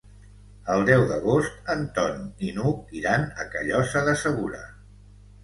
El deu d'agost en Ton i n'Hug iran a Callosa de Segura.